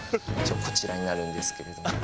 一応こちらになるんですけれども。